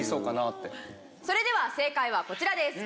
それでは正解はこちらです。